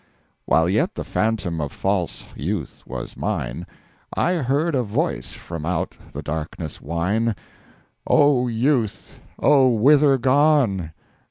While yet the Phantom of false Youth was mine, I heard a Voice from out the Darkness whine, 'O Youth, O whither gone?